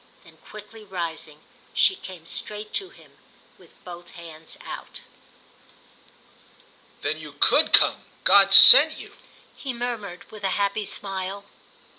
Then quickly rising she came straight to him with both hands out. "Then you could come? God sent you!" he murmured with a happy smile.